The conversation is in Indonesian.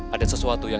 ada sesuatu yang